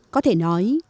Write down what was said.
có thể nói